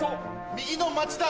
右の町田。